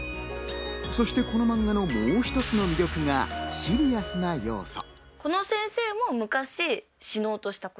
そしてこのマンガのもう一つの魅力が、シリアスな要素。